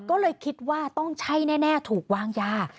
ก็เลยคิดว่าต้องใช่แน่ถูกวางยา